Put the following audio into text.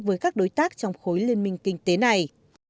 với các đối tác trong khối liên minh kinh tế này